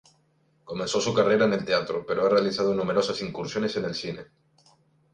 Comenzó su carrera en el teatro, pero ha realizado numerosas incursiones en el cine.